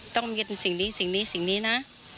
ต้องยึดสิ่งนี้สิ่งนี้สิ่งนี้นะ